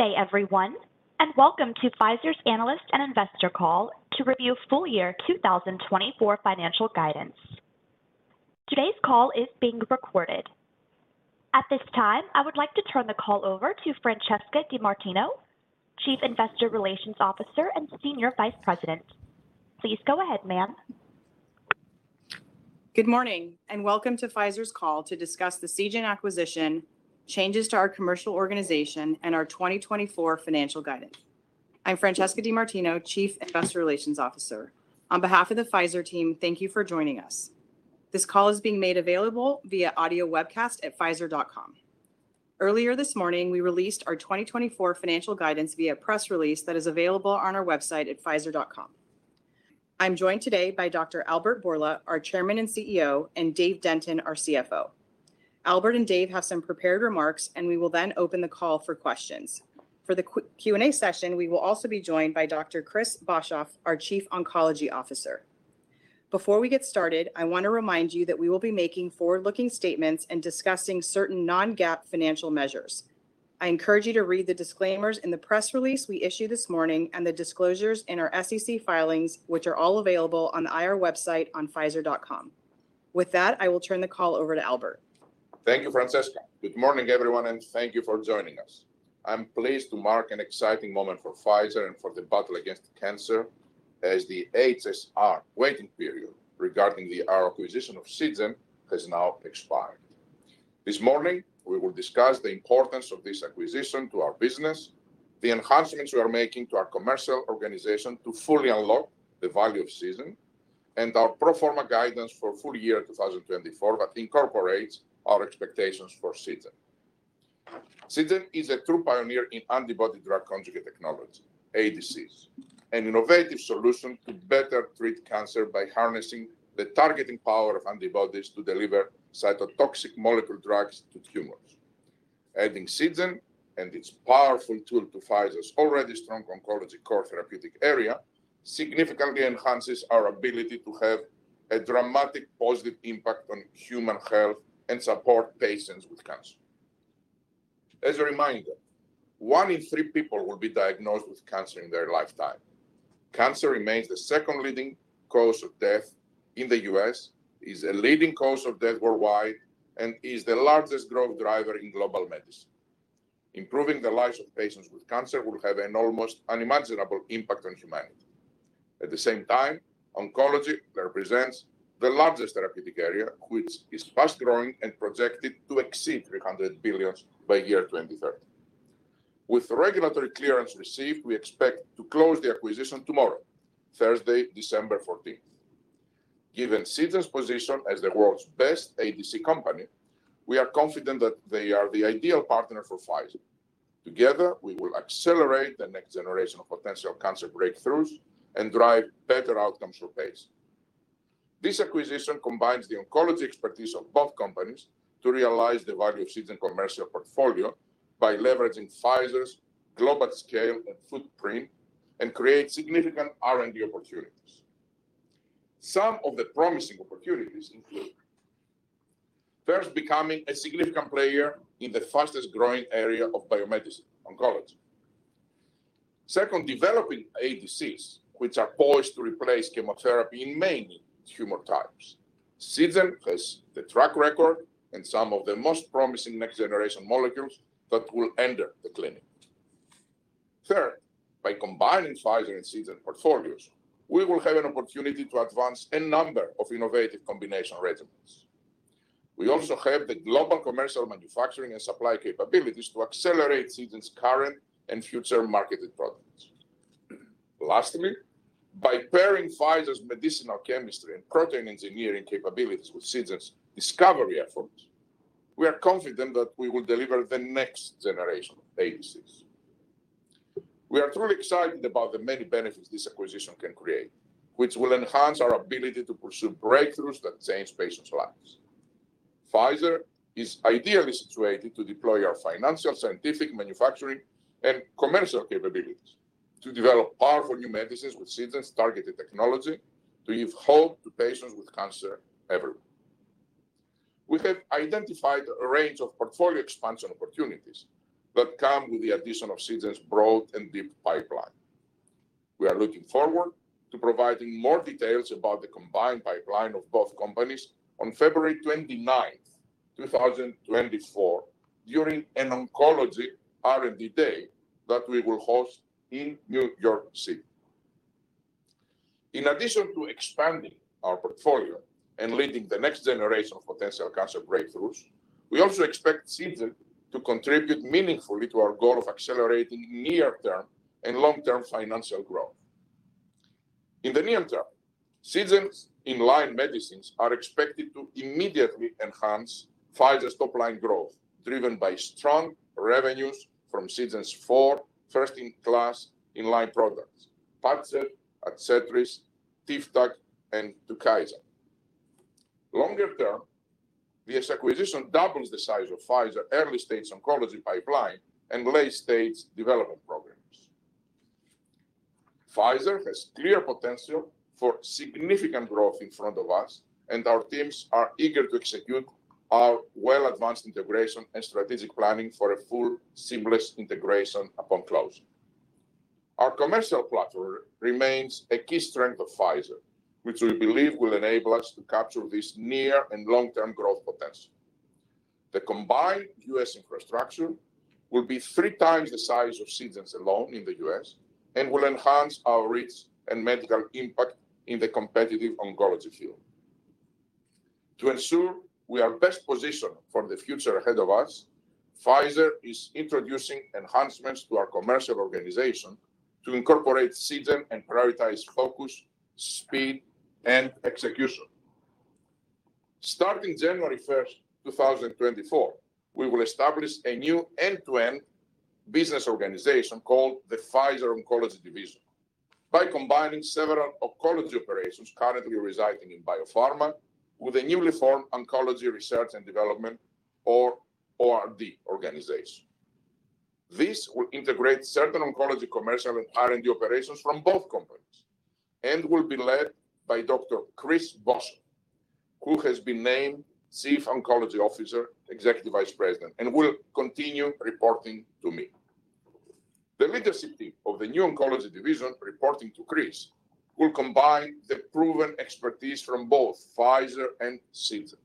Good day, everyone, and welcome to Pfizer's Analyst and Investor Call to review full year 2024 financial guidance. Today's call is being recorded. At this time, I would like to turn the call over to Francesca DeMartino, Chief Investor Relations Officer and Senior Vice President. Please go ahead, ma'am. Good morning, and welcome to Pfizer's call to discuss the Seagen acquisition, changes to our commercial organization, and our 2024 financial guidance. I'm Francesca DeMartino, Chief Investor Relations Officer. On behalf of the Pfizer team, thank you for joining us. This call is being made available via audio webcast at pfizer.com. Earlier this morning, we released our 2024 financial guidance via press release that is available on our website at pfizer.com. I'm joined today by Dr. Albert Bourla, our Chairman and CEO, and Dave Denton, our CFO. Albert and Dave have some prepared remarks, and we will then open the call for questions. For the Q&A session, we will also be joined by Dr. Chris Boshoff, our Chief Oncology Officer. Before we get started, I wanna remind you that we will be making forward-looking statements and discussing certain non-GAAP financial measures. I encourage you to read the disclaimers in the press release we issued this morning and the disclosures in our SEC filings, which are all available on the IR website on Pfizer.com. With that, I will turn the call over to Albert. Thank you, Francesca. Good morning, everyone, and thank you for joining us. I'm pleased to mark an exciting moment for Pfizer and for the battle against cancer as the HSR waiting period regarding the, our acquisition of Seagen has now expired. This morning, we will discuss the importance of this acquisition to our business, the enhancements we are making to our commercial organization to fully unlock the value of Seagen, and our pro forma guidance for full year 2024 that incorporates our expectations for Seagen. Seagen is a true pioneer in antibody drug conjugate technology, ADCs, an innovative solution to better treat cancer by harnessing the targeting power of antibodies to deliver cytotoxic molecule drugs to tumors. Adding Seagen and its powerful tool to Pfizer's already strong oncology core therapeutic area, significantly enhances our ability to have a dramatic positive impact on human health and support patients with cancer. As a reminder, one in three people will be diagnosed with cancer in their lifetime. Cancer remains the second leading cause of death in the U.S., is a leading cause of death worldwide, and is the largest growth driver in global medicine. Improving the lives of patients with cancer will have an almost unimaginable impact on humanity. At the same time, oncology represents the largest therapeutic area, which is fast-growing and projected to exceed $300 billion by 2030. With the regulatory clearance received, we expect to close the acquisition tomorrow, Thursday, December fourteenth. Given Seagen's position as the world's best ADC company, we are confident that they are the ideal partner for Pfizer. Together, we will accelerate the next generation of potential cancer breakthroughs and drive better outcomes for patients. This acquisition combines the oncology expertise of both companies to realize the value of Seagen commercial portfolio by leveraging Pfizer's global scale and footprint and create significant R&D opportunities. Some of the promising opportunities include: first, becoming a significant player in the fastest-growing area of biomedicine, oncology. Second, developing ADCs, which are poised to replace chemotherapy in many tumor types. Seagen has the track record and some of the most promising next-generation molecules that will enter the clinic. Third, by combining Pfizer and Seagen portfolios, we will have an opportunity to advance a number of innovative combination regimens. We also have the global commercial manufacturing and supply capabilities to accelerate Seagen's current and future marketed products. Lastly, by pairing Pfizer's medicinal chemistry and protein engineering capabilities with Seagen's discovery efforts, we are confident that we will deliver the next generation of ADCs. We are truly excited about the many benefits this acquisition can create, which will enhance our ability to pursue breakthroughs that change patients' lives. Pfizer is ideally situated to deploy our financial, scientific, manufacturing, and commercial capabilities to develop powerful new medicines with Seagen's targeted technology to give hope to patients with cancer everywhere. We have identified a range of portfolio expansion opportunities that come with the addition of Seagen's broad and deep pipeline. We are looking forward to providing more details about the combined pipeline of both companies on February 29, 2024, during an oncology R&D day that we will host in New York City. In addition to expanding our portfolio and leading the next generation of potential cancer breakthroughs, we also expect Seagen to contribute meaningfully to our goal of accelerating near-term and long-term financial growth. In the near term, Seagen's in-line medicines are expected to immediately enhance Pfizer's top line growth, driven by strong revenues from Seagen's four first-in-class in-line products, PADCEV, ADCETRIS, TIVDAK, and TUKYSA. Longer term, this acquisition doubles the size of Pfizer early-stage oncology pipeline and late-stage development. Pfizer has clear potential for significant growth in front of us, and our teams are eager to execute our well-advanced integration and strategic planning for a full, seamless integration upon closing. Our commercial platform remains a key strength of Pfizer, which we believe will enable us to capture this near and long-term growth potential. The combined U.S. infrastructure will be three times the size of Seagen's alone in the U.S., and will enhance our reach and medical impact in the competitive oncology field. To ensure we are best positioned for the future ahead of us, Pfizer is introducing enhancements to our commercial organization to incorporate Seagen and prioritize focus, speed, and execution. Starting January 1st, 2024, we will establish a new end-to-end business organization called the Pfizer Oncology Division, by combining several oncology operations currently residing in Biopharma with a newly formed oncology research and development, or the organization. This will integrate certain oncology commercial and R&D operations from both companies, and will be led by Dr. Chris Boshoff, who has been named Chief Oncology Officer, Executive Vice President, and will continue reporting to me. The leadership team of the new oncology division, reporting to Chris, will combine the proven expertise from both Pfizer and Seagen.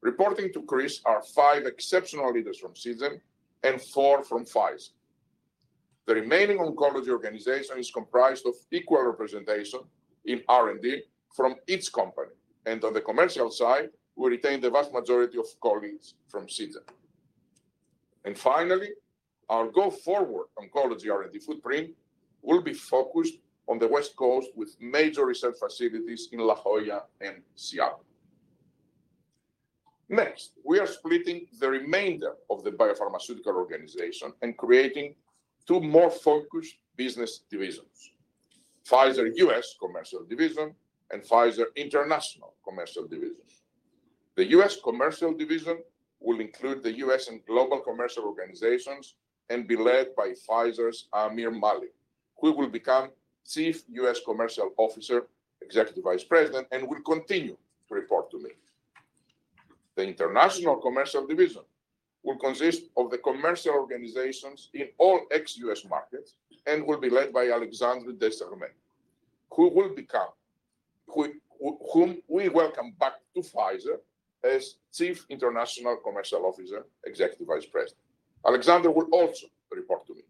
Reporting to Chris are five exceptional leaders from Seagen and four from Pfizer. The remaining oncology organization is comprised of equal representation in R&D from each company, and on the commercial side, we retain the vast majority of colleagues from Seagen. Finally, our go-forward oncology R&D footprint will be focused on the West Coast, with major research facilities in La Jolla and Seattle. Next, we are splitting the remainder of the biopharmaceutical organization and creating two more focused business divisions: Pfizer U.S. Commercial Division and Pfizer International Commercial Division. The U.S. Commercial Division will include the U.S. and global commercial organizations and be led by Pfizer's Aamir Malik, who will become Chief U.S. Commercial Officer, Executive Vice President, and will continue to report to me. The International Commercial Division will consist of the commercial organizations in all ex-US markets and will be led by Alexandre de Germay, who will become, whom we welcome back to Pfizer as Chief International Commercial Officer, Executive Vice President. Alexandre will also report to me.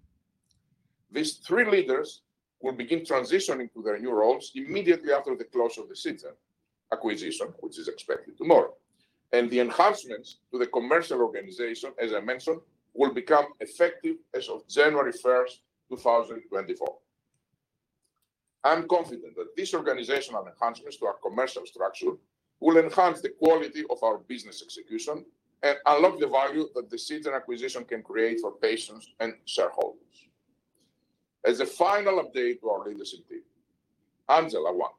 These three leaders will begin transitioning to their new roles immediately after the close of the Seagen acquisition, which is expected tomorrow, and the enhancements to the commercial organization, as I mentioned, will become effective as of January 1, 2024. I'm confident that these organizational enhancements to our commercial structure will enhance the quality of our business execution and unlock the value that the Seagen acquisition can create for patients and shareholders. As a final update to our leadership team, Angela Hwang,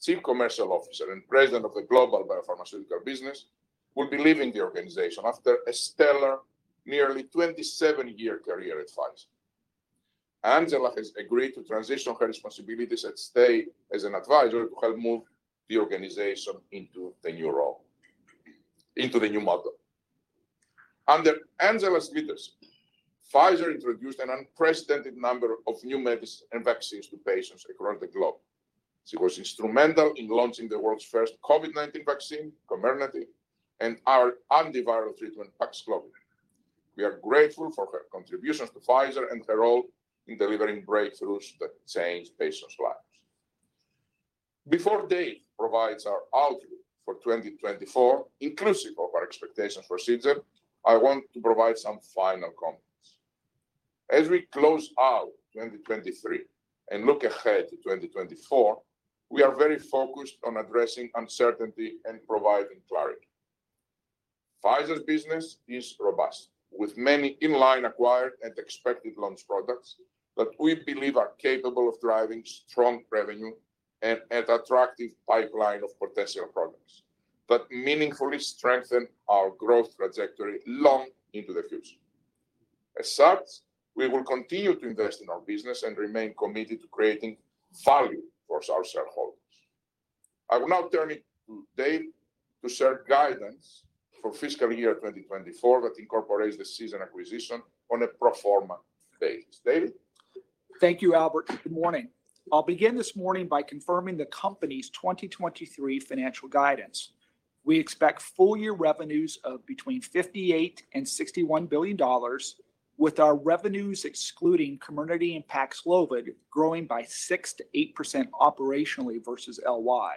Chief Commercial Officer and President of the Global Biopharmaceutical Business, will be leaving the organization after a stellar nearly 27-year career at Pfizer. Angela has agreed to transition her responsibilities and stay as an advisor to help move the organization into the new role, into the new model. Under Angela's leadership, Pfizer introduced an unprecedented number of new medicines and vaccines to patients across the globe. She was instrumental in launching the world's first COVID-19 vaccine, Comirnaty, and our antiviral treatment, Paxlovid. We are grateful for her contributions to Pfizer and her role in delivering breakthroughs that change patients' lives. Before Dave provides our outlook for 2024, inclusive of our expectations for Seagen, I want to provide some final comments. As we close out 2023 and look ahead to 2024, we are very focused on addressing uncertainty and providing clarity. Pfizer's business is robust, with many in-line, acquired, and expected launch products that we believe are capable of driving strong revenue and an attractive pipeline of potential products that meaningfully strengthen our growth trajectory long into the future. As such, we will continue to invest in our business and remain committed to creating value for our shareholders. I will now turn it to Dave to share guidance for fiscal year 2024 that incorporates the Seagen acquisition on a pro forma basis. Dave? Thank you, Albert. Good morning. I'll begin this morning by confirming the company's 2023 financial guidance. We expect full year revenues of between $58 billion and $61 billion, with our revenues excluding Comirnaty and Paxlovid, growing by 6%-8% operationally versus LY.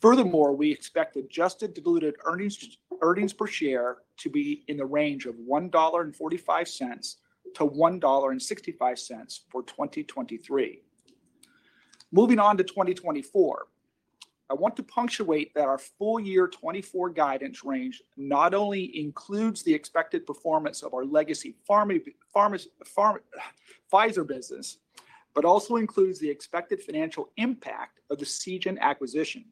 Furthermore, we expect adjusted diluted earnings, earnings per share to be in the range of $1.45-$1.65 for 2023. Moving on to 2024, I want to punctuate that our full year 2024 guidance range not only includes the expected performance of our legacy pharma, Pfizer business, but also includes the expected financial impact of the Seagen acquisition.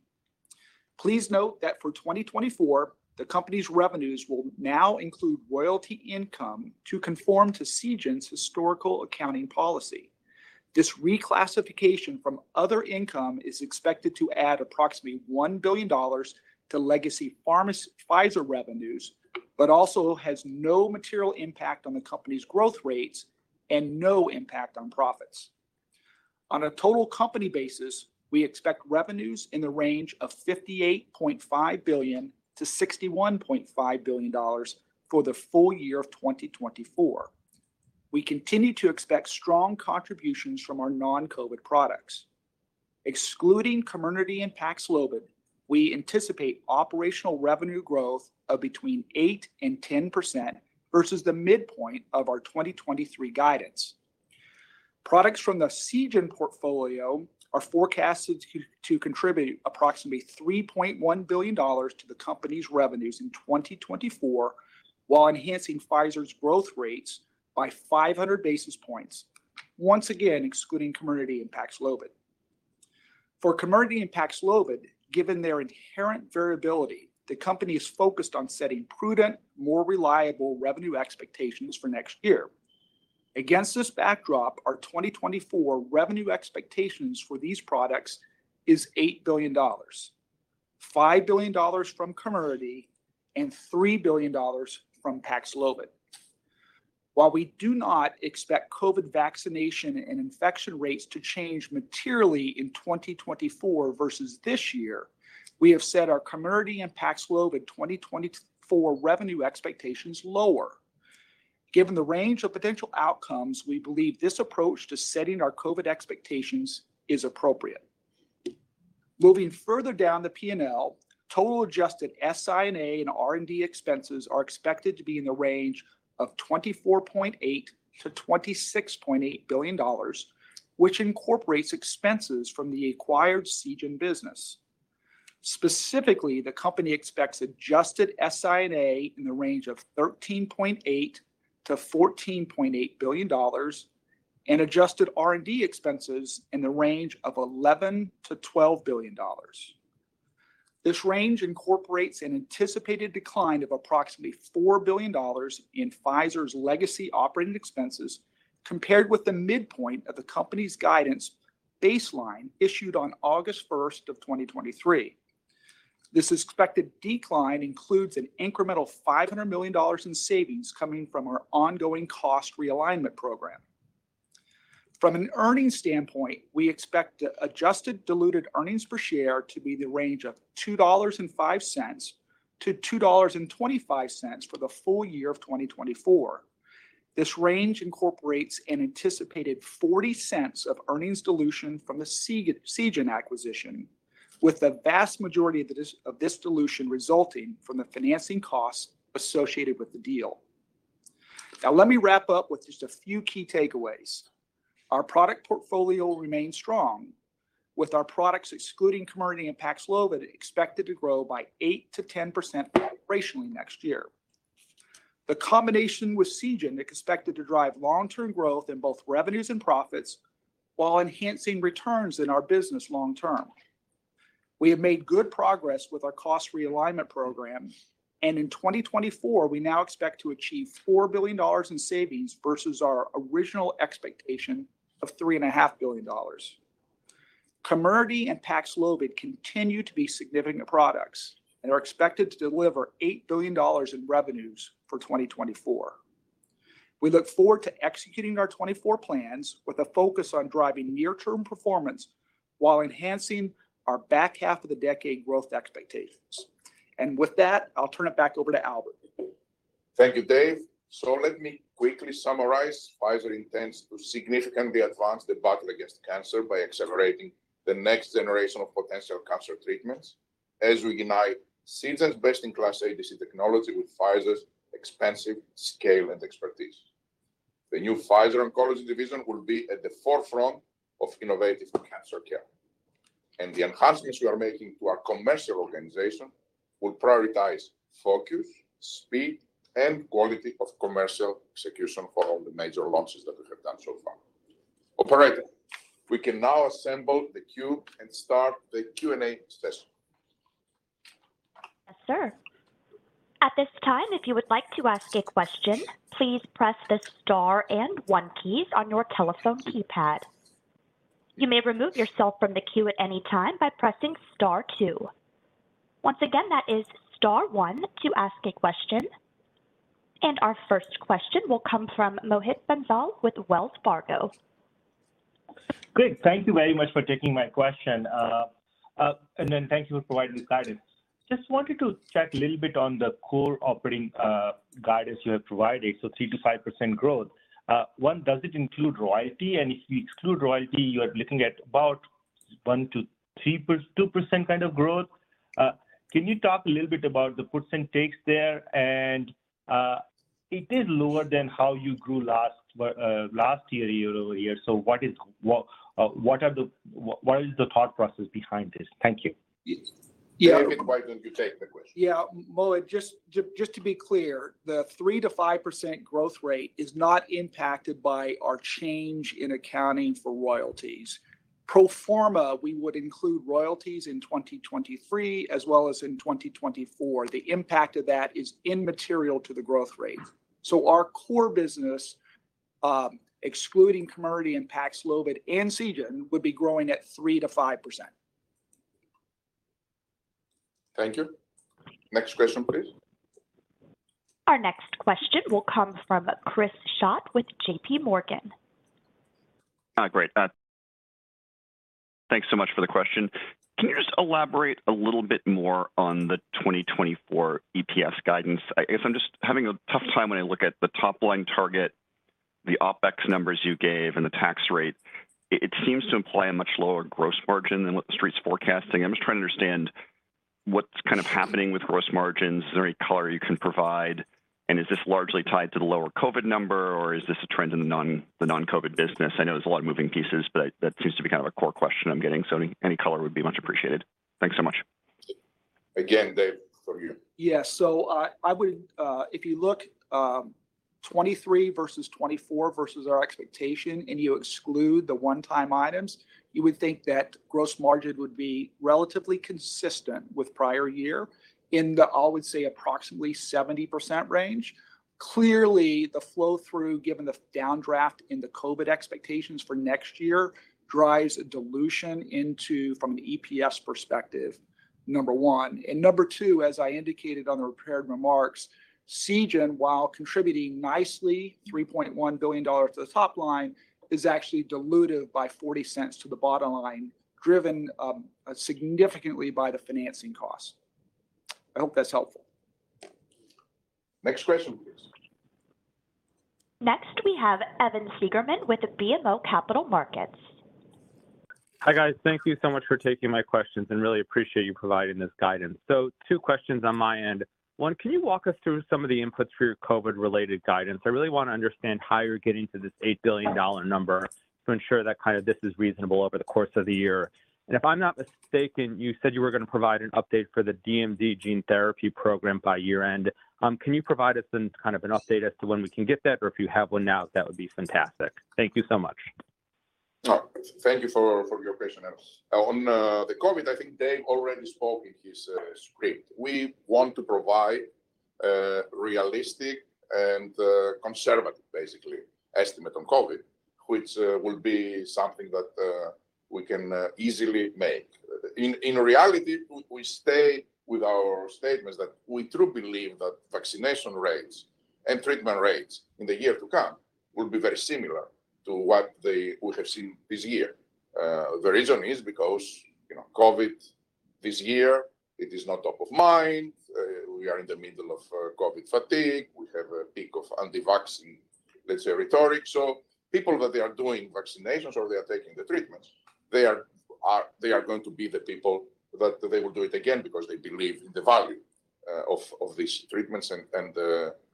Please note that for 2024, the company's revenues will now include royalty income to conform to Seagen's historical accounting policy. This reclassification from other income is expected to add approximately $1 billion to legacy Pfizer's revenues, but also has no material impact on the company's growth rates and no impact on profits. On a total company basis, we expect revenues in the range of $58.5 billion-$61.5 billion for the full year of 2024. We continue to expect strong contributions from our non-COVID products. Excluding Comirnaty and Paxlovid, we anticipate operational revenue growth of between 8% and 10% versus the midpoint of our 2023 guidance. Products from the Seagen portfolio are forecasted to contribute approximately $3.1 billion to the company's revenues in 2024, while enhancing Pfizer's growth rates by 500 basis points, once again, excluding Comirnaty and Paxlovid. For Comirnaty and Paxlovid, given their inherent variability, the company is focused on setting prudent, more reliable revenue expectations for next year. Against this backdrop, our 2024 revenue expectations for these products is $8 billion, $5 billion from Comirnaty and $3 billion from Paxlovid. While we do not expect COVID vaccination and infection rates to change materially in 2024 versus this year, we have set our Comirnaty and Paxlovid 2024 revenue expectations lower. Given the range of potential outcomes, we believe this approach to setting our COVID expectations is appropriate. Moving further down the P&L, total adjusted SI&A and R&D expenses are expected to be in the range of $24.8 billion-$26.8 billion, which incorporates expenses from the acquired Seagen business. Specifically, the company expects adjusted SI&A in the range of $13.8 billion-$14.8 billion and adjusted R&D expenses in the range of $11 billion-$12 billion. This range incorporates an anticipated decline of approximately $4 billion in Pfizer's legacy operating expenses, compared with the midpoint of the company's guidance baseline issued on August 1, 2023. This expected decline includes an incremental $500 million in savings coming from our ongoing cost realignment program. From an earnings standpoint, we expect the adjusted diluted earnings per share to be the range of $2.05-$2.25 for the full year of 2024. This range incorporates an anticipated $0.40 of earnings dilution from the Seagen acquisition, with the vast majority of this dilution resulting from the financing costs associated with the deal. Now, let me wrap up with just a few key takeaways. Our product portfolio remains strong, with our products, excluding Comirnaty and Paxlovid, expected to grow by 8%-10% operationally next year. The combination with Seagen is expected to drive long-term growth in both revenues and profits while enhancing returns in our business long term. We have made good progress with our cost realignment program, and in 2024, we now expect to achieve $4 billion in savings versus our original expectation of $3.5 billion. Comirnaty and Paxlovid continue to be significant products and are expected to deliver $8 billion in revenues for 2024. We look forward to executing our 2024 plans with a focus on driving near-term performance while enhancing our back half of the decade growth expectations. With that, I'll turn it back over to Albert. Thank you, Dave. So let me quickly summarize. Pfizer intends to significantly advance the battle against cancer by accelerating the next generation of potential cancer treatments as we unite Seagen's best-in-class ADC technology with Pfizer's expansive scale and expertise. The new Pfizer Oncology division will be at the forefront of innovative cancer care, and the enhancements we are making to our commercial organization will prioritize focus, speed, and quality of commercial execution for all the major launches that we have done so far. Operator, we can now assemble the queue and start the Q&A session. Yes, sir. At this time, if you would like to ask a question, please press the star and one keys on your telephone keypad. You may remove yourself from the queue at any time by pressing star two. Once again, that is star one to ask a question, and our first question will come from Mohit Bansal with Wells Fargo. Great, thank you very much for taking my question. And then thank you for providing the guidance. Just wanted to check a little bit on the core operating guidance you have provided, so 3%-5% growth. One, does it include royalty? And if you exclude royalty, you are looking at about 1%-3%-- 2% kind of growth. Can you talk a little bit about the puts and takes there? And it is lower than how you grew last year, last year, year-over-year. So what is the thought process behind this? Thank you. Yeah- David, why don't you take the question? Yeah, Mohit, just, just to be clear, the 3%-5% growth rate is not impacted by our change in accounting for royalties. Pro forma, we would include royalties in 2023 as well as in 2024. The impact of that is immaterial to the growth rate. So our core business, excluding Comirnaty and Paxlovid and Seagen, would be growing at 3%-5%. Thank you. Next question, please. Our next question will come from Chris Schott with JPMorgan. Great. Thanks so much for the question. Can you just elaborate a little bit more on the 2024 EPS guidance? I guess I'm just having a tough time when I look at the top-line target, the OpEx numbers you gave, and the tax rate. It seems to imply a much lower gross margin than what the street's forecasting. I'm just trying to understand what's kind of happening with gross margins. Is there any color you can provide, and is this largely tied to the lower COVID number, or is this a trend in the non-COVID business? I know there's a lot of moving pieces, but that seems to be kind of a core question I'm getting, so any color would be much appreciated. Thanks so much. Again, Dave, for you. Yeah. So I would. If you look, 2023 versus 2024 versus our expectation, and you exclude the one-time items, you would think that gross margin would be relatively consistent with prior year in the, I would say, approximately 70% range. Clearly, the flow-through, given the downdraft in the COVID expectations for next year, drives dilution into, from the EPS perspective, number one. And number two, as I indicated on the prepared remarks, Seagen, while contributing nicely $3.1 billion to the top line, is actually dilutive by $0.40 to the bottom line, driven, significantly by the financing costs. I hope that's helpful. Next question, please. Next, we have Evan Seigerman with BMO Capital Markets. Hi, guys. Thank you so much for taking my questions, and really appreciate you providing this guidance. So two questions on my end: One, can you walk us through some of the inputs for your COVID-related guidance? I really want to understand how you're getting to this $8 billion number to ensure that, kind of, this is reasonable over the course of the year. And if I'm not mistaken, you said you were gonna provide an update for the DMD gene therapy program by year-end. Can you provide us a kind of update as to when we can get that, or if you have one now, that would be fantastic. Thank you so much. Oh, thank you for your question, Evan. On the COVID, I think Dave already spoke in his script. We want to provide a realistic and a conservative, basically, estimate on COVID, which will be something that we can easily make. In reality, we stay with our statements that we truly believe that vaccination rates and treatment rates in the year to come will be very similar to what we have seen this year. The reason is because, you know, COVID this year, it is not top of mind, we are in the middle of COVID fatigue, we have a peak of anti-vax, let's say, rhetoric. So people that they are doing vaccinations or they are taking the treatments, they are going to be the people that they will do it again because they believe in the value of these treatments and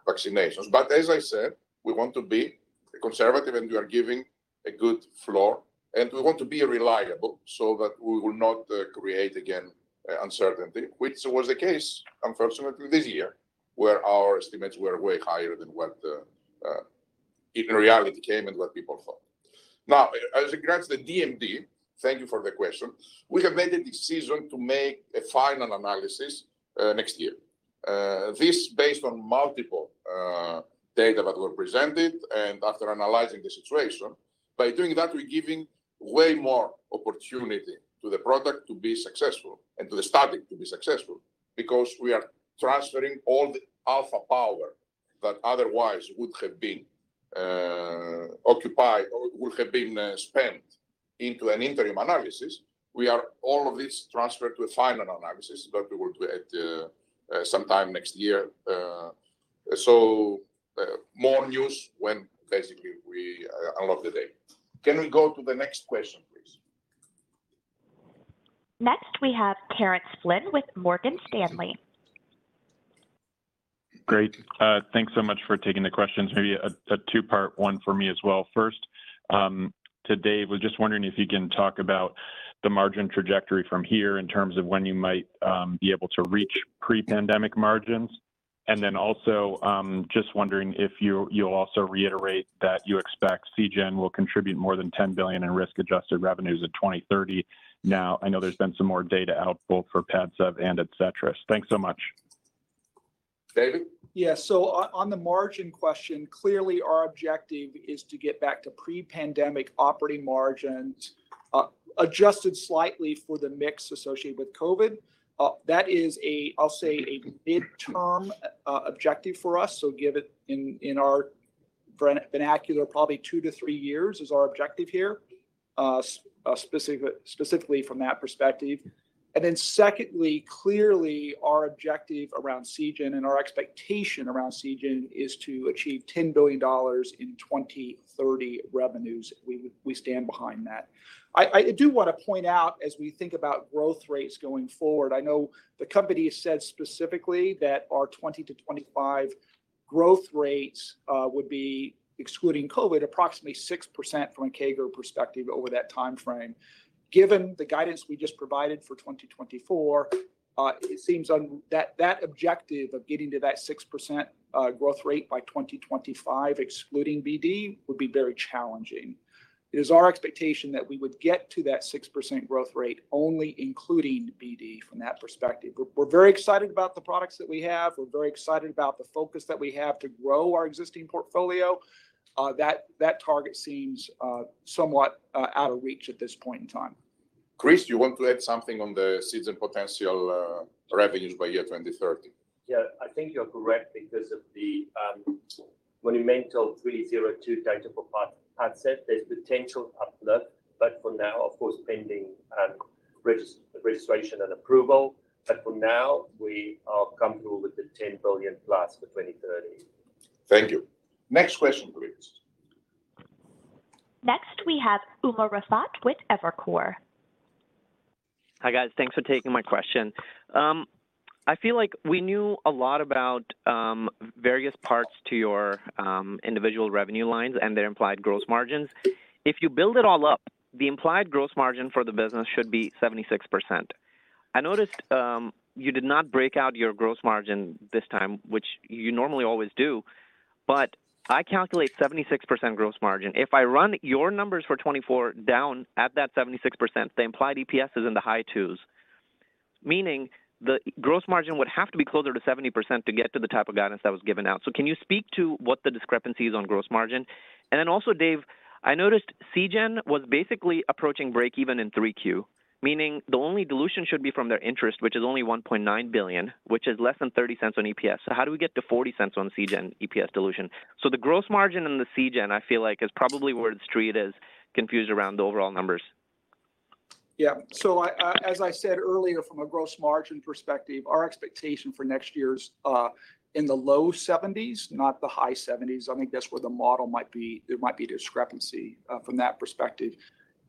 vaccinations. But as I said, we want to be conservative, and we are giving a good floor, and we want to be reliable so that we will not create again uncertainty, which was the case, unfortunately, this year, where our estimates were way higher than what in reality came and what people thought. Now, as regards to the DMD, thank you for the question. We have made a decision to make a final analysis next year. This, based on multiple data that were presented and after analyzing the situation. By doing that, we're giving way more opportunity to the product to be successful and to the study to be successful, because we are transferring all the alpha power that otherwise would have been occupied or would have been spent into an interim analysis. We are... All of this transferred to a final analysis that we will do at sometime next year. So, more news when basically we unlock the day. Can we go to the next question, please? Next, we have Terence Flynn with Morgan Stanley. Great. Thanks so much for taking the questions. Maybe a two-part one for me as well. First, to Dave, was just wondering if you can talk about the margin trajectory from here in terms of when you might be able to reach pre-pandemic margins. And then also, just wondering if you'll also reiterate that you expect Seagen will contribute more than $10 billion in risk-adjusted revenues in 2030. Now, I know there's been some more data out both for PADCEV and ADCETRIS. Thanks so much. Dave? Yeah, so on the margin question, clearly our objective is to get back to pre-pandemic operating margins, adjusted slightly for the mix associated with COVID. That is a, I'll say, a midterm objective for us, so give it in, in our vernacular, probably two to three years is our objective here, specifically from that perspective. And then secondly, clearly our objective around Seagen and our expectation around Seagen is to achieve $10 billion in 2030 revenues. We, we stand behind that. I, I do wanna point out, as we think about growth rates going forward, I know the company has said specifically that our 2020-2025 growth rates would be excluding COVID, approximately 6% from a CAGR perspective over that timeframe. Given the guidance we just provided for 2024, it seems that that objective of getting to that 6% growth rate by 2025, excluding BD, would be very challenging. It is our expectation that we would get to that 6% growth rate only including BD from that perspective. We're very excited about the products that we have. We're very excited about the focus that we have to grow our existing portfolio. That target seems somewhat out of reach at this point in time. Chris, you want to add something on the Seagen potential, revenues by year 2030? Yeah, I think you're correct because of the monumental 302 data for PADCEV. There's potential uplift, but for now, of course, pending registration and approval. But for now, we are comfortable with the $10 billion+ for 2030. Thank you. Next question, please. Next, we have Umer Raffat with Evercore. Hi, guys. Thanks for taking my question. I feel like we knew a lot about various parts to your individual revenue lines and their implied gross margins. If you build it all up, the implied gross margin for the business should be 76%. I noticed you did not break out your gross margin this time, which you normally always do, but I calculate 76% gross margin. If I run your numbers for 2024 down at that 76%, the implied EPS is in the high $2s, meaning the gross margin would have to be closer to 70% to get to the type of guidance that was given out. So can you speak to what the discrepancy is on gross margin? Then also, Dave, I noticed Seagen was basically approaching break-even in 3Q, meaning the only dilution should be from their interest, which is only $1.9 billion, which is less than $0.30 on EPS. So how do we get to $0.40 on Seagen EPS dilution? So the gross margin on the Seagen, I feel like, is probably where the street is confused around the overall numbers. Yeah. So I, as I said earlier, from a gross margin perspective, our expectation for next year's, in the low 70s%, not the high 70s%. I think that's where the model might be, there might be a discrepancy, from that perspective.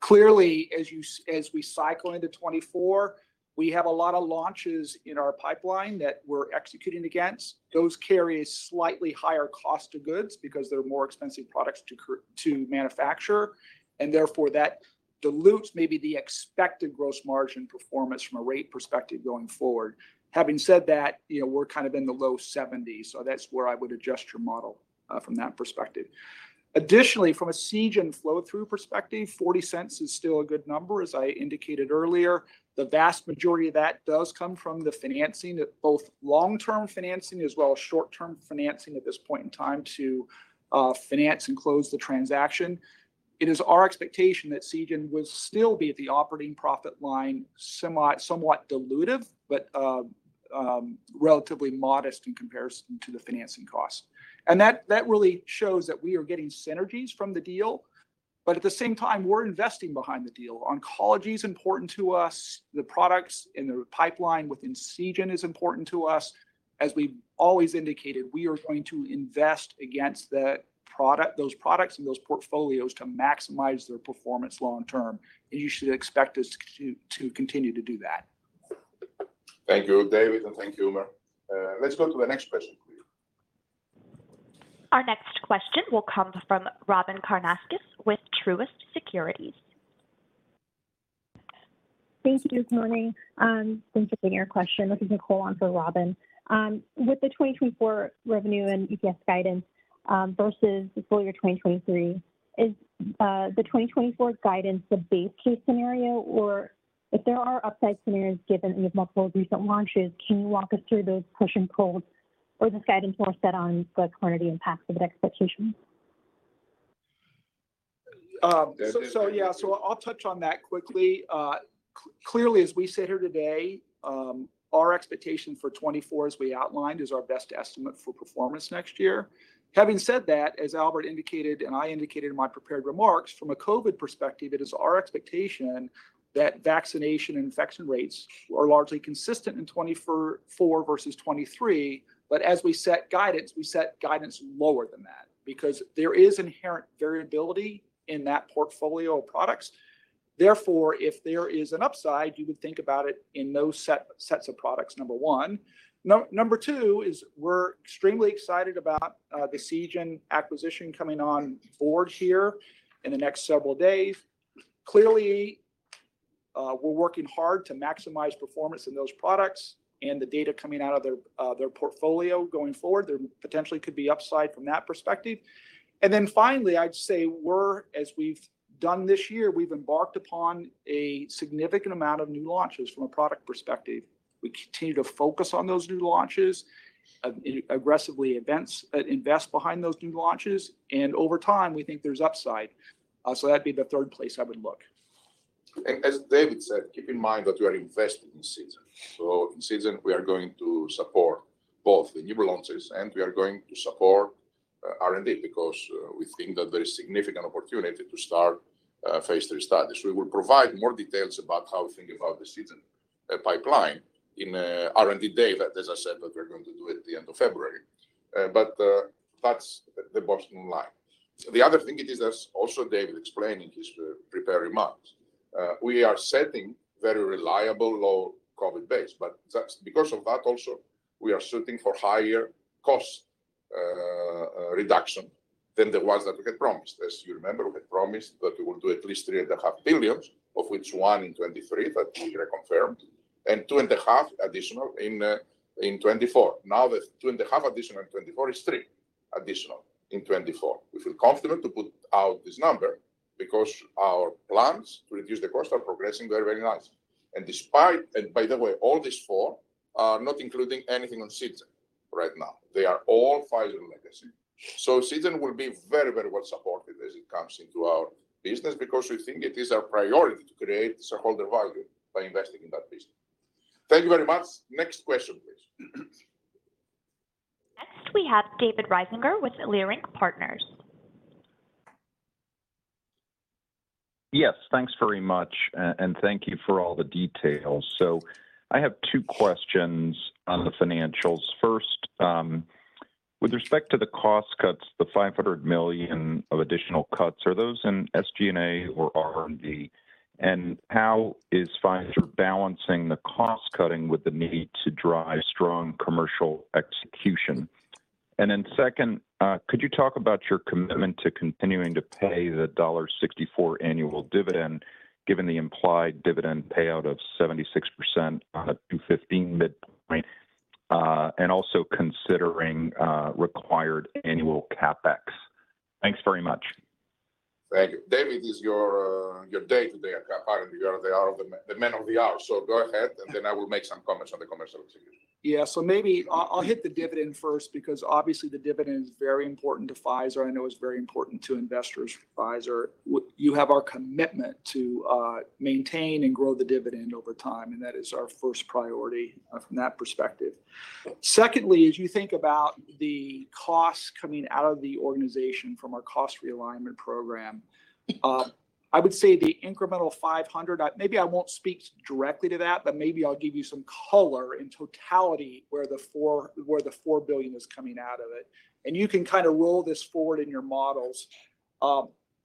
Clearly, as we cycle into 2024, we have a lot of launches in our pipeline that we're executing against. Those carry a slightly higher cost of goods because they're more expensive products to manufacture, and therefore, that dilutes maybe the expected gross margin performance from a rate perspective going forward. Having said that, you know, we're kind of in the low 70s%, so that's where I would adjust your model, from that perspective. Additionally, from a Seagen flow-through perspective, $0.40 is still a good number. As I indicated earlier, the vast majority of that does come from the financing, at both long-term financing as well as short-term financing at this point in time, to finance and close the transaction. It is our expectation that Seagen will still be at the operating profit line, somewhat dilutive, but relatively modest in comparison to the financing cost. That really shows that we are getting synergies from the deal, but at the same time, we're investing behind the deal. Oncology is important to us. The products in the pipeline within Seagen is important to us. As we've always indicated, we are going to invest against those products and those portfolios to maximize their performance long term, and you should expect us to continue to do that. Thank you, Dave, and thank you, Umer. Let's go to the next question, please. Our next question will come from Robyn Karnauskas with Truist Securities. Thank you. Good morning, thanks for taking our question. This is Nicole on for Robyn. With the 2024 revenue and EPS guidance, versus full year 2023, is the 2024 guidance the base case scenario? Or if there are upside scenarios given we have multiple recent launches, can you walk us through those push and pulls, or is this guidance more set on the quantity and positive expectations? So yeah, so I'll touch on that quickly. Clearly, as we sit here today, our expectation for 2024, as we outlined, is our best estimate for performance next year. Having said that, as Albert indicated, and I indicated in my prepared remarks, from a COVID perspective, it is our expectation that vaccination and infection rates are largely consistent in 2024 versus 2023. But as we set guidance, we set guidance lower than that because there is inherent variability in that portfolio of products. Therefore, if there is an upside, you would think about it in those sets of products, number one. Number two is we're extremely excited about the Seagen acquisition coming on board here in the next several days. Clearly, we're working hard to maximize performance in those products and the data coming out of their portfolio going forward. There potentially could be upside from that perspective. And then finally, I'd say we're, as we've done this year, we've embarked upon a significant amount of new launches from a product perspective. We continue to focus on those new launches, aggressively invest behind those new launches, and over time, we think there's upside. So that'd be the third place I would look. As Dave said, keep in mind that we are invested in Seagen. In Seagen, we are going to support both the new launches, and we are going to support R&D because we think that there is significant opportunity to start phase III studies. We will provide more details about how we think about the Seagen pipeline in R&D Day, that as I said, that we're going to do at the end of February. But that's the bottom line. The other thing it is, as also Dave explained in his prepared remarks, we are setting very reliable, low COVID base, but that's because of that also, we are shooting for higher cost reduction than the ones that we had promised. As you remember, we had promised that we will do at least $3.5 billion, of which $1 billion in 2023, but we reconfirmed, and $2.5 billion additional in 2024. Now, the $2.5 billion additional in 2024 is $3 billion additional in 2024. We feel confident to put out this number because our plans to reduce the cost are progressing very, very nice. And despite. And by the way, all these four are not including anything on Seagen right now. They are all Pfizer legacy. So Seagen will be very, very well supported as it comes into our business, because we think it is our priority to create shareholder value by investing in that business. Thank you very much. Next question, please. Next, we have David Risinger with Leerink Partners. Yes, thanks very much, and thank you for all the details. So I have two questions on the financials. First, with respect to the cost cuts, the $500 million of additional cuts, are those in SG&A or R&D? And how is Pfizer balancing the cost-cutting with the need to drive strong commercial execution? And then second, could you talk about your commitment to continuing to pay the $1.64 annual dividend, given the implied dividend payout of 76% on a $215 midpoint, and also considering required annual CapEx? Thanks very much. Thank you. David, it is your day today. Apparently, you are the man of the hour, so go ahead, and then I will make some comments on the commercial execution. Yeah. So maybe I'll, I'll hit the dividend first, because obviously the dividend is very important to Pfizer. I know it's very important to investors of Pfizer. You have our commitment to maintain and grow the dividend over time, and that is our first priority from that perspective. Secondly, as you think about the costs coming out of the organization from our cost realignment program, I would say the incremental $500... Maybe I won't speak directly to that, but maybe I'll give you some color in totality, where the $4 billion is coming out of it, and you can kind of roll this forward in your models.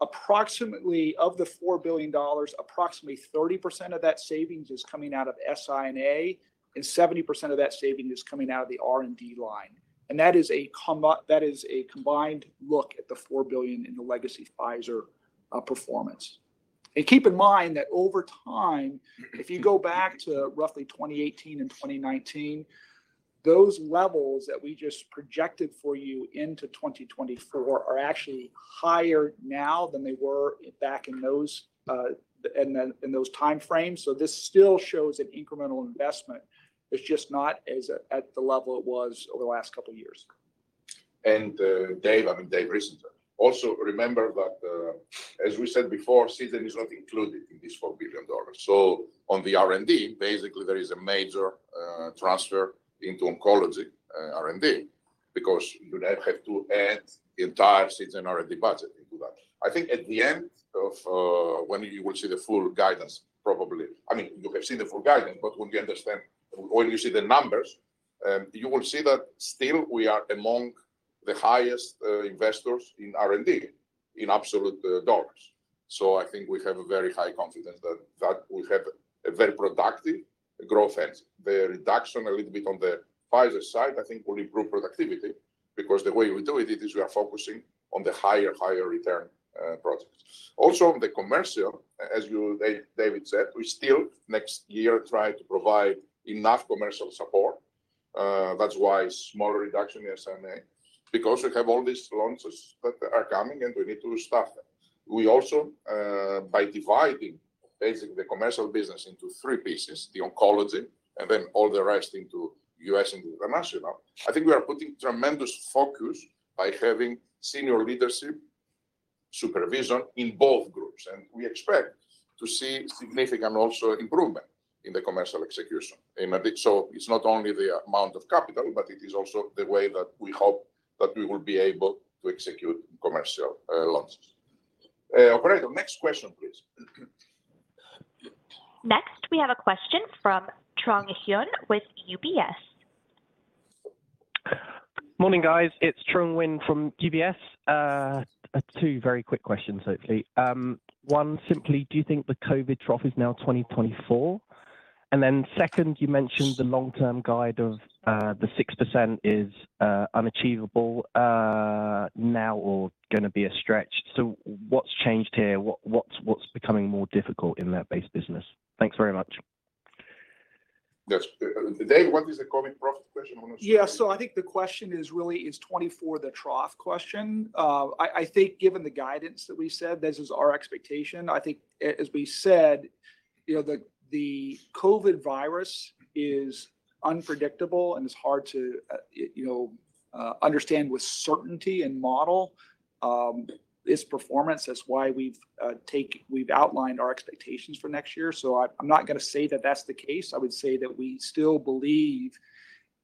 Approximately, of the $4 billion, approximately 30% of that savings is coming out of SI&A, and 70% of that saving is coming out of the R&D line, and that is a combined look at the $4 billion in the legacy Pfizer performance. And keep in mind that over time, if you go back to roughly 2018 and 2019, those levels that we just projected for you into 2024 are actually higher now than they were back in those time frames. So this still shows an incremental investment. It's just not as at the level it was over the last couple of years. And, Dave, I mean, David Risinger, also remember that, as we said before, Seagen is not included in this $4 billion. So on the R&D, basically there is a major, transfer into oncology R&D, because you now have to add the entire Seagen R&D budget into that. I think at the end of, when you will see the full guidance, probably, I mean, you have seen the full guidance, but when you understand, when you see the numbers, you will see that still we are among the highest, investors in R&D in absolute dollars. So I think we have a very high confidence that, that we have a very productive growth edge. The reduction a little bit on the Pfizer side, I think will improve productivity, because the way we do it, it is we are focusing on the higher, higher return projects. Also, on the commercial, as you, Dave, David said, we still next year try to provide enough commercial support. That's why smaller reduction in SI&A, because we have all these launches that are coming, and we need to staff them. We also, by dividing basically the commercial business into three pieces, the oncology and then all the rest into U.S. and international, I think we are putting tremendous focus by having senior leadership supervision in both groups, and we expect to see significant also improvement in the commercial execution. And I think so it's not only the amount of capital, but it is also the way that we hope that we will be able to execute commercial launches. Operator, next question, please. Next, we have a question from Truong Nguyen with UBS. Morning, guys. It's Truong Nguyen from UBS. Two very quick questions quickly. One, simply, do you think the COVID trough is now 2024? And then second, you mentioned the long-term guide of, the 6% is, unachievable, now or gonna be a stretch. So what's changed here? What, what's, what's becoming more difficult in that base business? Thanks very much. Yes. Dave, what is the COVID profit question? I want to- Yeah. So I think the question is really is 2024 the trough question. I think given the guidance that we said, this is our expectation. I think as we said, you know, the COVID virus is unpredictable, and it's hard to understand with certainty and model its performance. That's why we've outlined our expectations for next year. So I'm not gonna say that that's the case. I would say that we still believe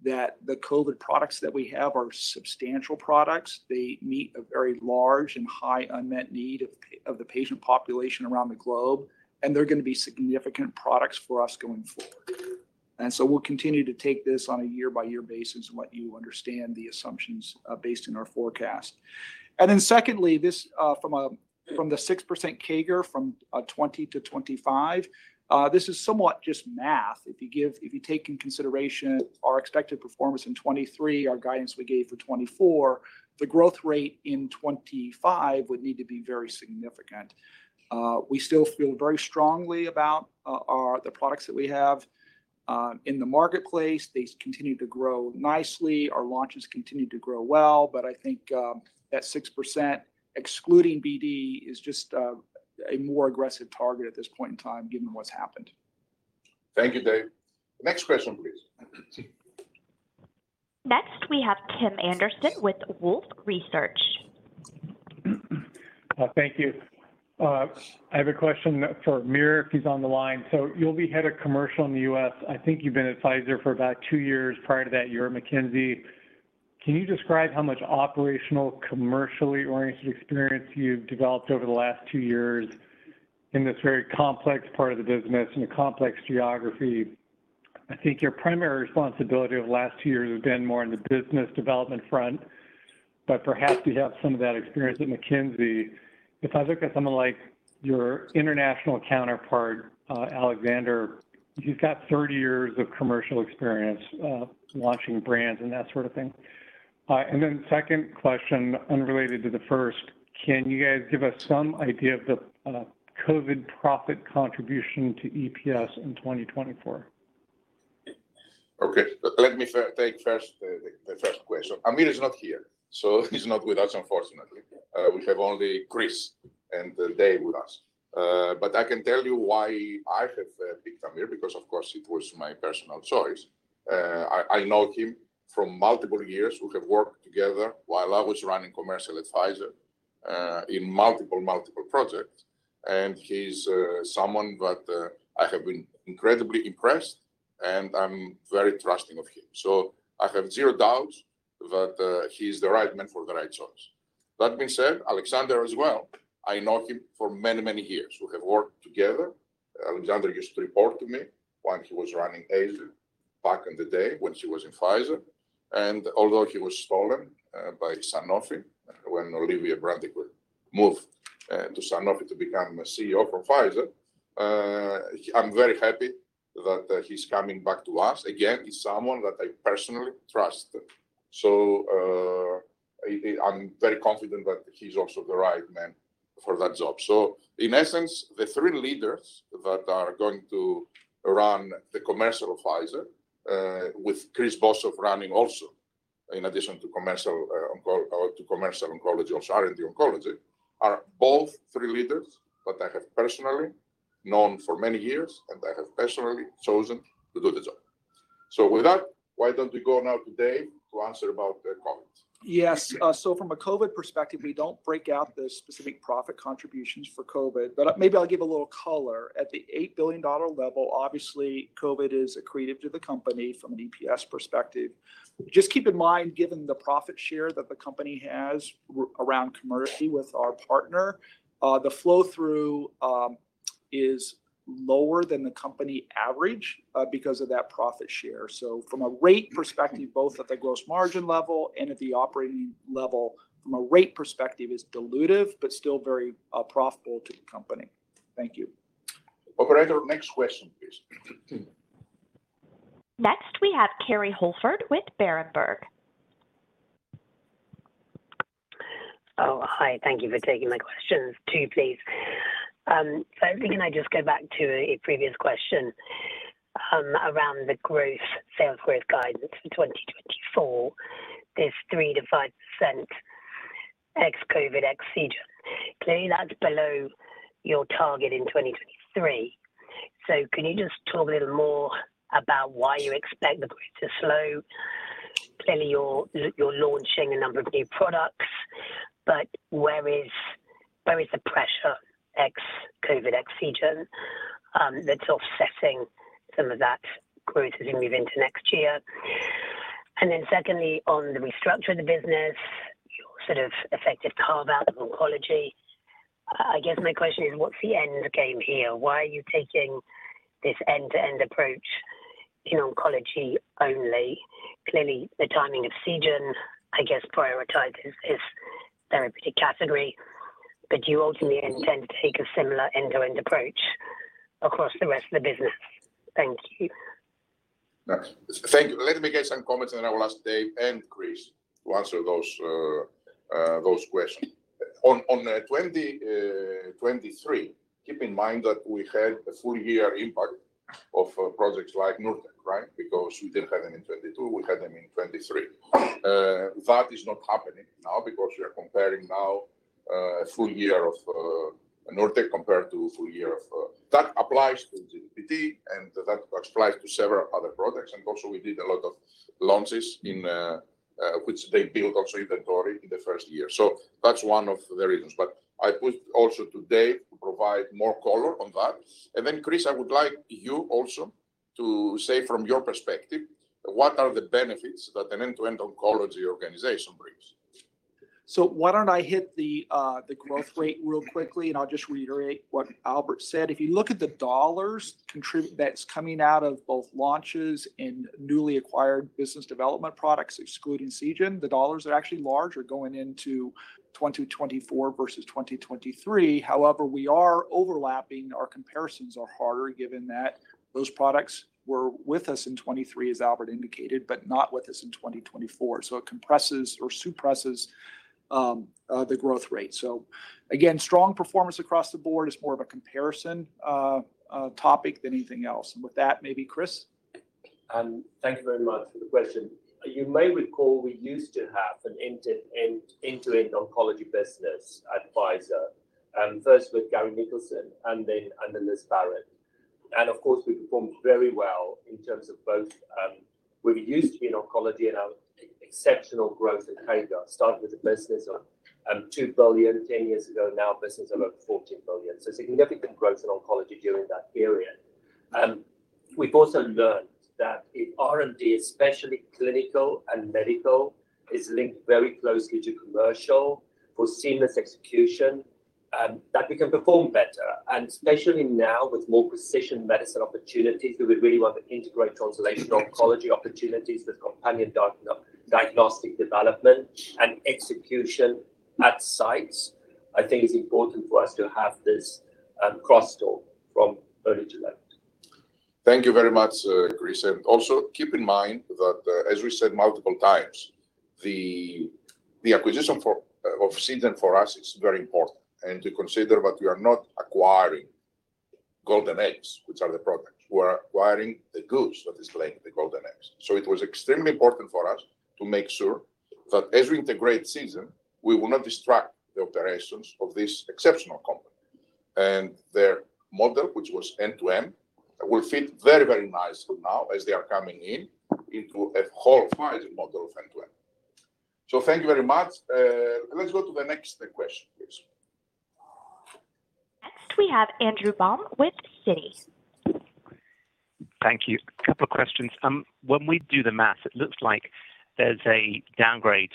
that the COVID products that we have are substantial products. They meet a very large and high unmet need of the patient population around the globe, and they're gonna be significant products for us going forward. And so we'll continue to take this on a year-by-year basis and let you understand the assumptions based on our forecast. Secondly, this from a, from the 6% CAGR from 20 to 25, this is somewhat just math. If you take into consideration our expected performance in 2023, our guidance we gave for 2024, the growth rate in 2025 would need to be very significant. We still feel very strongly about our the products that we have in the marketplace. They continue to grow nicely. Our launches continue to grow well, but I think that 6%, excluding BD, is just a more aggressive target at this point in time, given what's happened.... Thank you, Dave. Next question, please. Next, we have Tim Anderson with Wolfe Research. Thank you. I have a question for Aamir, if he's on the line. So you'll be head of commercial in the U.S. I think you've been at Pfizer for about two years. Prior to that, you were at McKinsey. Can you describe how much operational, commercially-oriented experience you've developed over the last two years in this very complex part of the business, in a complex geography? I think your primary responsibility over the last two years has been more on the business development front, but perhaps you have some of that experience at McKinsey. If I look at someone like your international counterpart, Alexandre, he's got 30 years of commercial experience, launching brands and that sort of thing. And then second question, unrelated to the first, can you guys give us some idea of the COVID profit contribution to EPS in 2024? Okay. Let me first take the first question. Aamir is not here, so he's not with us, unfortunately. We have only Chris and Dave with us. But I can tell you why I have picked Aamir, because of course he was my personal choice. I know him from multiple years. We have worked together while I was running commercial at Pfizer in multiple projects, and he's someone that I have been incredibly impressed, and I'm very trusting of him. So I have zero doubts that he's the right man for the right choice. That being said, Alexandre as well, I know him for many years. We have worked together. Alexandre used to report to me when he was running Asia back in the day when he was in Pfizer, and although he was stolen by Sanofi, when Olivier Brandicourt moved to Sanofi to become a CEO from Pfizer, I'm very happy that he's coming back to us. Again, he's someone that I personally trust. So, I'm very confident that he's also the right man for that job. So in essence, the three leaders that are going to run the commercial of Pfizer, with Chris Boshoff running also, in addition to commercial, oncology to commercial oncology or R&D oncology, are all three leaders that I have personally known for many years, and I have personally chosen to do the job. So with that, why don't we go now to Dave to answer about the comments? Yes. So from a COVID perspective, we don't break out the specific profit contributions for COVID, but maybe I'll give a little color. At the $8 billion level, obviously, COVID is accretive to the company from an EPS perspective. Just keep in mind, given the profit share that the company has around commercial with our partner, the flow-through is lower than the company average, because of that profit share. So from a rate perspective, both at the gross margin level and at the operating level, from a rate perspective, it's dilutive, but still very profitable to the company. Thank you. Operator, next question, please. Next, we have Kerry Holford with Berenberg. Oh, hi, thank you for taking my questions. Two, please. So can I just go back to a previous question, around the growth, sales growth guidance for 2024? This 3%-5% ex-COVID, ex-Seagen. Clearly, that's below your target in 2023. So can you just talk a little more about why you expect the growth to slow? Clearly, you're launching a number of new products, but where is the pressure, ex-COVID, ex-Seagen, that's offsetting some of that growth as you move into next year? And then secondly, on the restructure of the business, your sort of effective carve-out of oncology, I guess my question is: what's the end game here? Why are you taking this end-to-end approach in oncology only? Clearly, the timing of Seagen, I guess, prioritizes this therapeutic category, but do you ultimately intend to take a similar end-to-end approach across the rest of the business? Thank you. Yes. Thank you. Let me get some comments, and then I will ask Dave and Chris to answer those questions. On 2023, keep in mind that we had a full year impact of projects like NURTEC, right? Because we didn't have them in 2022, we had them in 2023. That is not happening now because we are comparing now a full year of NURTEC compared to a full year of... That applies to ZPT, and that applies to several other products. Also we did a lot of launches in which they build also inventory in the first year. So that's one of the reasons, but I put also to Dave to provide more color on that. And then, Chris, I would like you also to say from your perspective, what are the benefits that an end-to-end oncology organization brings? So why don't I hit the growth rate real quickly, and I'll just reiterate what Albert said. If you look at the dollars that's coming out of both launches and newly acquired business development products, excluding Seagen, the dollars are actually larger going into 2024 versus 2023. However, we are overlapping. Our comparisons are harder given that those products were with us in 2023, as Albert indicated, but not with us in 2024. So it compresses or suppresses the growth rate. So again, strong performance across the board is more of a comparison topic than anything else. And with that, maybe Chris?... Thank you very much for the question. You may recall we used to have an end-to-end oncology business advisor, first with Garry Nicholson, and then Liz Barrett. And of course, we performed very well in terms of both where we used to be in oncology and our exceptional growth in Pfizer. Started with a business of $2 billion 10 years ago, now a business of over $14 billion. So significant growth in oncology during that period. We've also learned that if R&D, especially clinical and medical, is linked very closely to commercial for seamless execution, that we can perform better. And especially now with more precision medicine opportunities, we would really want to integrate translational oncology opportunities with companion diagnostic development and execution at sites. I think it's important for us to have this cross talk from early July. Thank you very much, Chris. And also, keep in mind that, as we said multiple times, the acquisition of Seagen for us is very important. And to consider that we are not acquiring golden eggs, which are the products. We're acquiring the goose that is laying the golden eggs. So it was extremely important for us to make sure that as we integrate Seagen, we will not distract the operations of this exceptional company. And their model, which was end-to-end, will fit very, very nicely now as they are coming in into a whole Pfizer model of end-to-end. So thank you very much. Let's go to the next question, please. Next, we have Andrew Baum with Citi. Thank you. A couple of questions. When we do the math, it looks like there's a downgrade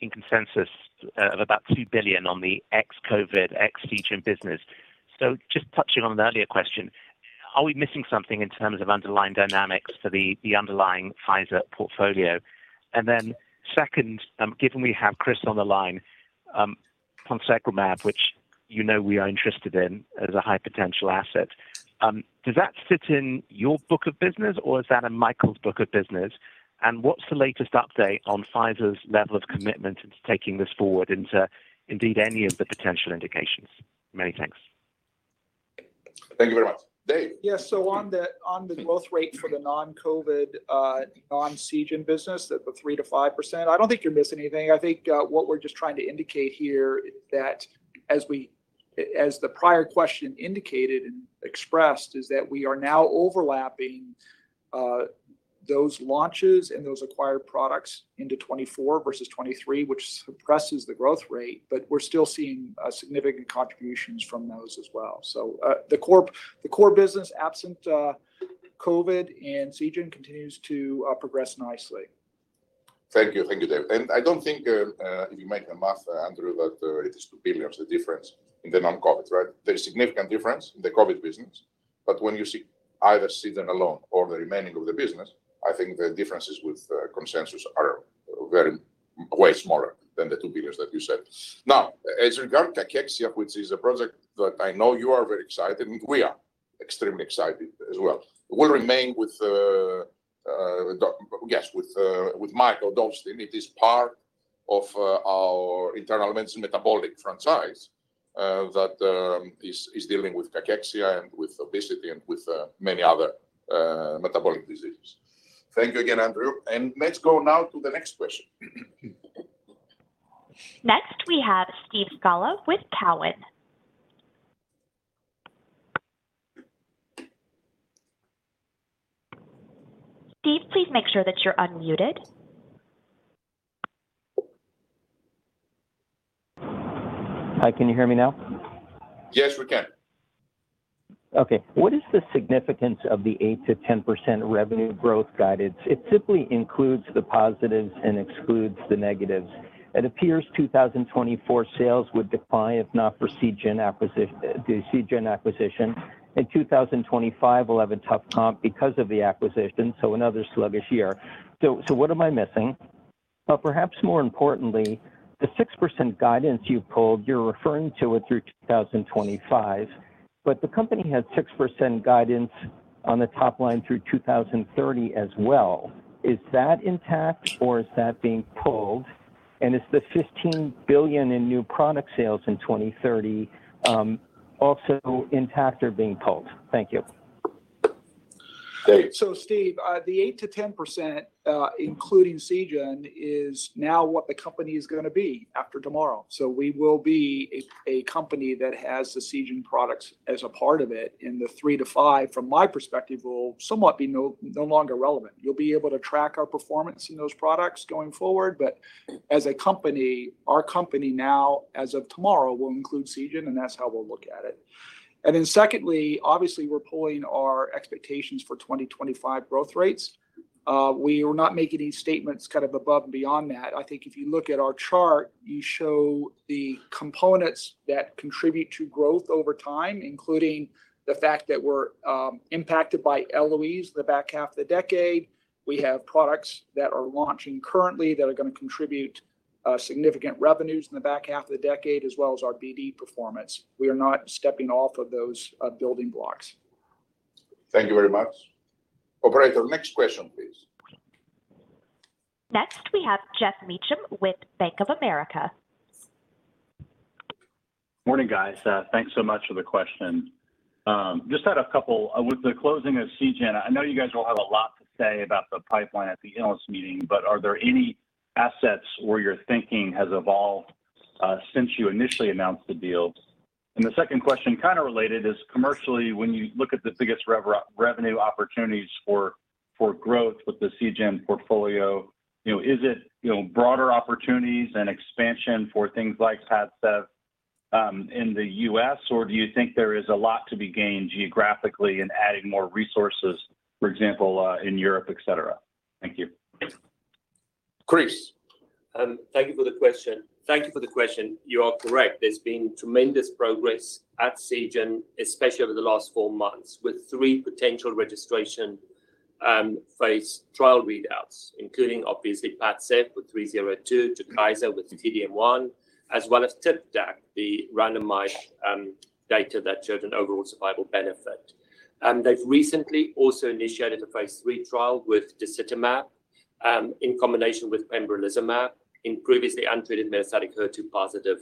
in consensus of about $2 billion on the ex-COVID, ex-Seagen business. So just touching on an earlier question, are we missing something in terms of underlying dynamics for the underlying Pfizer portfolio? And then second, given we have Chris on the line, Ponsegromab, which you know we are interested in as a high potential asset, does that sit in your book of business, or is that in Michael's book of business? And what's the latest update on Pfizer's level of commitment into taking this forward into indeed, any of the potential indications? Many thanks. Thank you very much. Dave? Yeah. So on the growth rate for the non-COVID, non-Seagen business, the 3%-5%, I don't think you're missing anything. I think what we're just trying to indicate here is that as the prior question indicated and expressed, is that we are now overlapping those launches and those acquired products into 2024 versus 2023, which suppresses the growth rate, but we're still seeing significant contributions from those as well. So the core business, absent COVID and Seagen, continues to progress nicely. Thank you. Thank you, Dave. And I don't think, if you make the math, Andrew, that it is $2 billion, the difference in the non-COVID, right? There is significant difference in the COVID business, but when you see either Seagen alone or the remaining of the business, I think the differences with consensus are very, way smaller than the $2 billion that you said. Now, as regard cachexia, which is a project that I know you are very excited, and we are extremely excited as well, will remain with the, yes, with Mikael Dolsten. It is part of our internal metabolic franchise that is dealing with cachexia, and with obesity, and with many other metabolic diseases. Thank you again, Andrew, and let's go now to the next question. Next, we have Steve Scala with Cowen. Steve, please make sure that you're unmuted. Hi, can you hear me now? Yes, we can. Okay. What is the significance of the 8%-10% revenue growth guidance? It simply includes the positives and excludes the negatives. It appears 2024 sales would decline if not for Seagen acquisition, the Seagen acquisition. In 2025, we'll have a tough comp because of the acquisition, so another sluggish year. So, so what am I missing? But perhaps more importantly, the 6% guidance you pulled, you're referring to it through 2025, but the company has 6% guidance on the top line through 2030 as well. Is that intact or is that being pulled? And is the $15 billion in new product sales in 2030 also intact or being pulled? Thank you. Great. So Steve, the 8%-10%, including Seagen, is now what the company is gonna be after tomorrow. So we will be a company that has the Seagen products as a part of it, and the 3%-5%, from my perspective, will somewhat be no longer relevant. You'll be able to track our performance in those products going forward, but as a company, our company now, as of tomorrow, will include Seagen, and that's how we'll look at it. And then secondly, obviously, we're pulling our expectations for 2025 growth rates. We are not making any statements kind of above and beyond that. I think if you look at our chart, you show the components that contribute to growth over time, including the fact that we're impacted by Eliquis the back half of the decade. We have products that are launching currently that are gonna contribute, significant revenues in the back half of the decade, as well as our BD performance. We are not stepping off of those, building blocks. Thank you very much. Operator, next question, please. Next, we have Geoff Meacham with Bank of America. Morning, guys. Thanks so much for the question. Just had a couple. With the closing of Seagen, I know you guys will have a lot to say about the pipeline at the analyst meeting, but are there any assets where your thinking has evolved since you initially announced the deal? And the second question, kind of related, is commercially, when you look at the biggest revenue opportunities for growth with the Seagen portfolio, you know, is it, you know, broader opportunities and expansion for things like PADCEV in the U.S.? Or do you think there is a lot to be gained geographically in adding more resources, for example, in Europe, et cetera? Thank you. Chris. Thank you for the question. You are correct. There's been tremendous progress at Seagen, especially over the last four months, with three potential registration phase trial readouts, including obviously PADCEV with 302, Tecentriq with T-DM1, as well as Tivdak, the randomized data that showed an overall survival benefit. They've recently also initiated a phase III trial with disitamab vedotin in combination with pembrolizumab in previously untreated metastatic HER2-positive,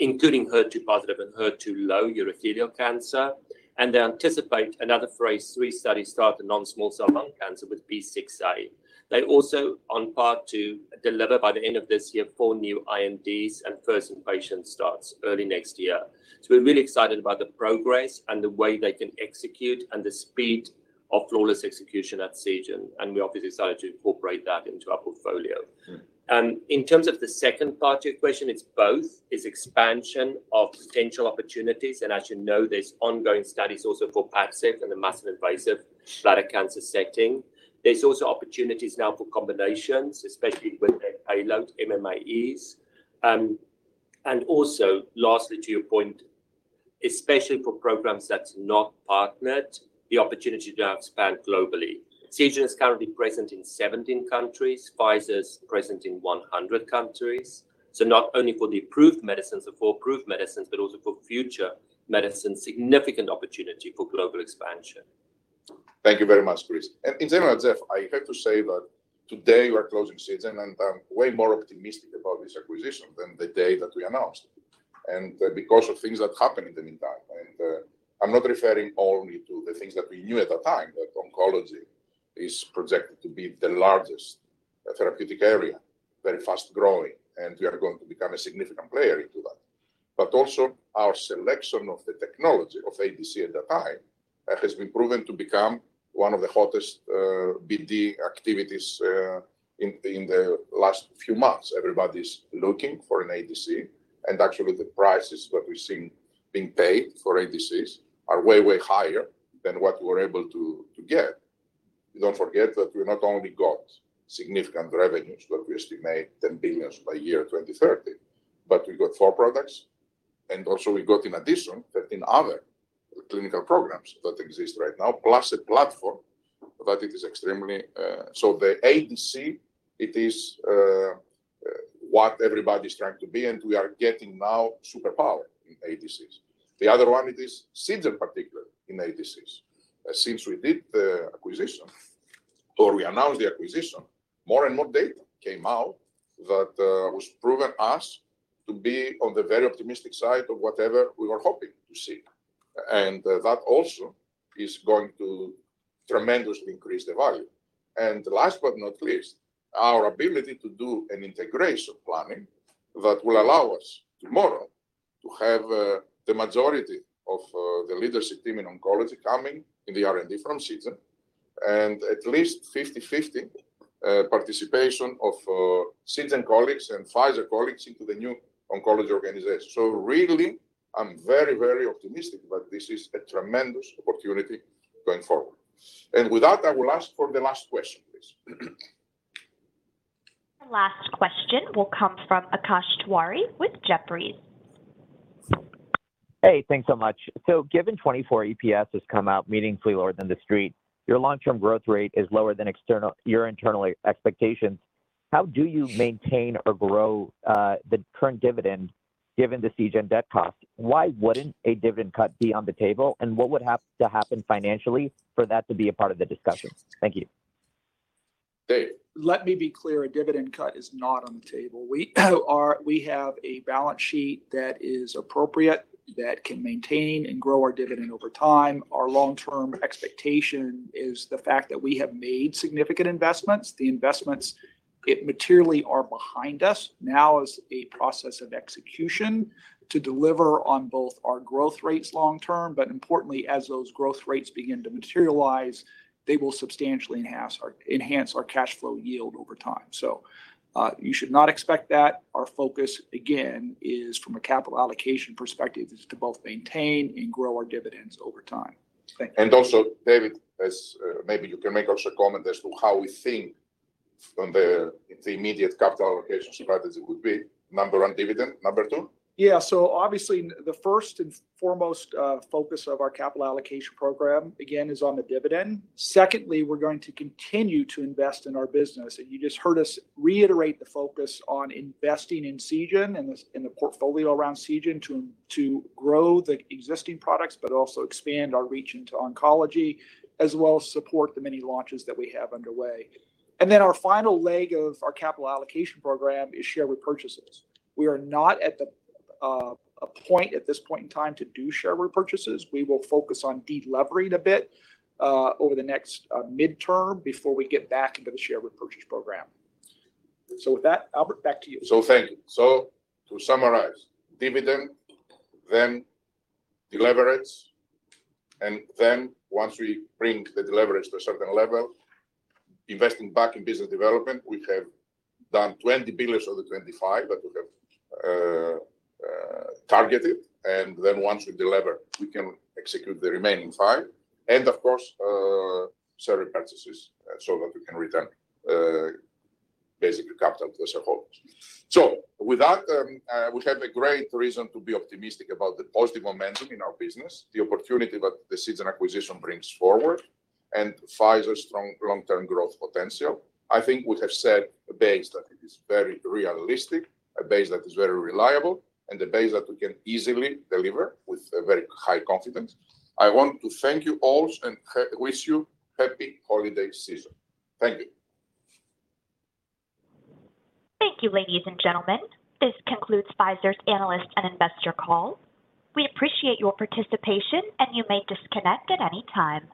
including HER2-positive and HER2-low urothelial cancer. They anticipate another phase III study start in non-small cell lung cancer with B6A. They also are on track to deliver by the end of this year, four new INDs, and first patient starts early next year. So we're really excited about the progress and the way they can execute and the speed of flawless execution at Seagen, and we obviously decided to incorporate that into our portfolio. Mm-hmm. And in terms of the second part of your question, it's both. It's expansion of potential opportunities, and as you know, there's ongoing studies also for PADCEV in the muscle-invasive bladder cancer setting. There's also opportunities now for combinations, especially with the payload MMAEs. And also, lastly, to your point, especially for programs that's not partnered, the opportunity to expand globally. Seagen is currently present in 17 countries, Pfizer is present in 100 countries. So not only for the approved medicines or for approved medicines, but also for future medicine, significant opportunity for global expansion. Thank you very much, Chris. In general, Geoff, I have to say that today we're closing Seagen, and I'm way more optimistic about this acquisition than the day that we announced. Because of things that happened in the meantime, and, I'm not referring only to the things that we knew at the time, that oncology is projected to be the largest therapeutic area, very fast-growing, and we are going to become a significant player into that. But also our selection of the technology of ADC at that time, that has been proven to become one of the hottest BD activities in the last few months. Everybody's looking for an ADC, and actually the prices that we've seen being paid for ADCs are way, way higher than what we're able to get. Don't forget that we not only got significant revenues that we estimate $10 billion by 2030, but we got four products, and also we got, in addition, 13 other clinical programs that exist right now, plus a platform that it is extremely... So the ADC, it is what everybody's trying to be, and we are getting now superpower in ADCs. The other one is Seagen particular in ADCs. Since we did the acquisition or we announced the acquisition, more and more data came out that was proven us to be on the very optimistic side of whatever we were hoping to see. And that also is going to tremendously increase the value. Last but not least, our ability to do an integration planning that will allow us tomorrow to have the majority of the leadership team in oncology coming in the R&D from Seagen, and at least 50/50 participation of Seagen colleagues and Pfizer colleagues into the new oncology organization. So really, I'm very, very optimistic that this is a tremendous opportunity going forward. And with that, I will ask for the last question, please. The last question will come from Akash Tewari with Jefferies. Hey, thanks so much. So given 2024 EPS has come out meaningfully lower than the Street, your long-term growth rate is lower than external... Your internal expectations, how do you maintain or grow the current dividend given the Seagen debt cost? Why wouldn't a dividend cut be on the table? And what would have to happen financially for that to be a part of the discussion? Thank you. Hey, let me be clear, a dividend cut is not on the table. We have a balance sheet that is appropriate, that can maintain and grow our dividend over time. Our long-term expectation is the fact that we have made significant investments. The investments, it materially are behind us. Now is a process of execution to deliver on both our growth rates long term, but importantly, as those growth rates begin to materialize, they will substantially enhance our, enhance our cash flow yield over time. So, you should not expect that. Our focus, again, is from a capital allocation perspective, is to both maintain and grow our dividends over time. Thank you. And also, David, as maybe you can make also a comment as to how we think from the immediate capital allocation strategy would be number one, dividend, number two? Yeah. So obviously, the first and foremost focus of our capital allocation program, again, is on the dividend. Secondly, we're going to continue to invest in our business, and you just heard us reiterate the focus on investing in Seagen, in the, in the portfolio around Seagen, to, to grow the existing products, but also expand our reach into oncology, as well as support the many launches that we have underway. And then our final leg of our capital allocation program is share repurchases. We are not at the a point at this point in time to do share repurchases. We will focus on delevering a bit over the next midterm before we get back into the share repurchase program. So with that, Albert, back to you. So thank you. So to summarize, dividend, then deleverages, and then once we bring the leverage to a certain level, investing back in business development. We have done $20 billion of the $25 billion that we have targeted, and then once we deliver, we can execute the remaining $5 billion and, of course, share repurchases, so that we can return basically capital to the shareholders. So with that, we have a great reason to be optimistic about the positive momentum in our business, the opportunity that the Seagen acquisition brings forward, and Pfizer's strong long-term growth potential. I think we have set a base that is very realistic, a base that is very reliable, and a base that we can easily deliver with a very high confidence. I want to thank you all and wish you happy holiday season. Thank you. Thank you, ladies and gentlemen. This concludes Pfizer's Analyst and Investor Call. We appreciate your participation, and you may disconnect at any time.